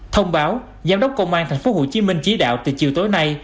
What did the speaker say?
thông báo giám đốc công an tp hcm chỉ đạo từ chiều tối nay